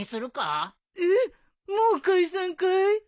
えっもう解散かい！？